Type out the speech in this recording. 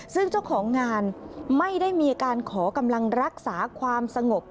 ซึ่งเจ้าของงานไม่ได้มีการขอกำลังรักษาความสงบ